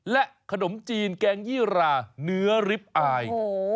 และขนมจีนแกงยี่ราเนื้อริปอาย